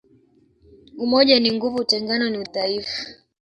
Umoja ni nguvu utengano ni udhaifu